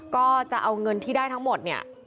ก็จะเอาเงินที่ได้ทั้งหมด